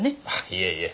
いえいえ。